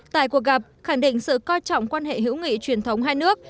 tại cuộc gặp khẳng định sự coi trọng quan hệ hữu nghị truyền thống hai nước